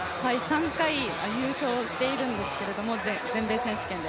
３回優勝しているんですけれども、全米選手権で。